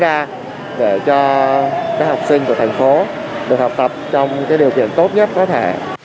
cao để cho các học sinh của thành phố được học tập trong điều kiện tốt nhất có thể